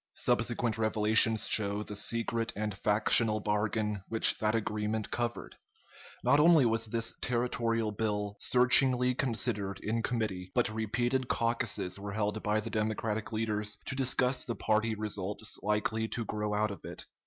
Subsequent revelations show the secret and factional bargain which that agreement covered. Not only was this territorial bill searchingly considered in committee, but repeated caucuses were held by the Democratic leaders to discuss the party results likely to grow out of it.